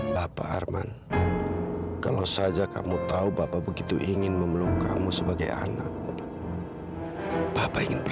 sampai jumpa di video selanjutnya